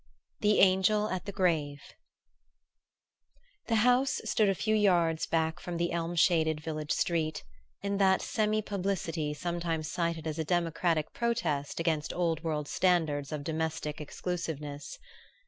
THE ANGEL AT THE GRAVE The House stood a few yards back from the elm shaded village street, in that semi publicity sometimes cited as a democratic protest against old world standards of domestic exclusiveness.